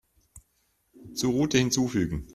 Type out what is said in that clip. Zur Route hinzufügen.